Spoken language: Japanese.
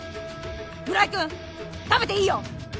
村井君食べていいよ！